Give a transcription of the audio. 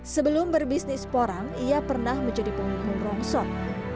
sebelum berbisnis porang ia pernah menjadi penghubung rongsor